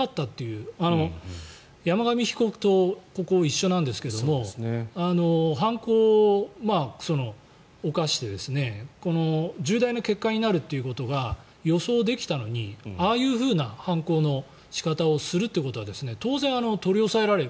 ここ山上被告と一緒なんですけども犯行を犯して重大な結果になるということが予想できたのに、ああいうふうな犯行の仕方をするということは当然、取り押さえられる。